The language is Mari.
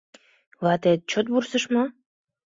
Ватет чот вурсыш мо?